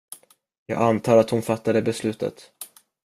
Jag antar att hon fattade beslutet.